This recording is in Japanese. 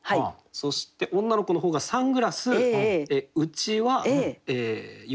そして女の子の方がサングラスうちわ浴衣。